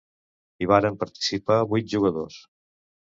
Hi varen participar vuit jugadors.